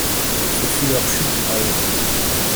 Ce fut leur chute, à eux.